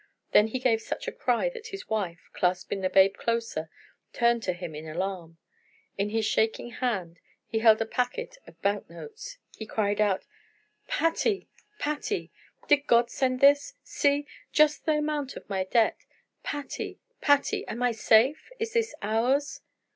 Then he gave such a cry that his wife, clasping the babe closer, turned to him in alarm. In his shaking hand he held a packet of bank notes. He cried out: "Patty! Patty! Did God send this? See! Just the amount of my debt! Patty! Patty! am I safe? Is this ours?"